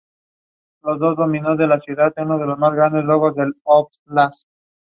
It is on the right bank of the Tshuapa River.